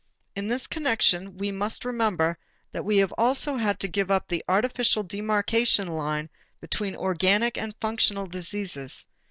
In this connection, we must remember that we also have had to give up the artificial demarcation line between organic and functional diseases.